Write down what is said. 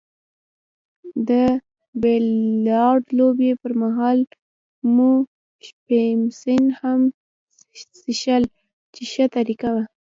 د بیلیارډ لوبې پرمهال مو شیمپین هم څیښل چې ښه طریقه وه.